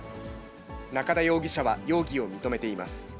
中田容疑者は容疑を認めています。